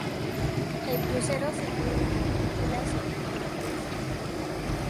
El crucero se cubre con cúpula sobre trompas.